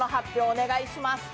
お願いします。